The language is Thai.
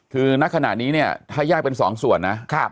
คือนักขณะนี้เนี่ยถ้าแยกเป็น๒ส่วนนะ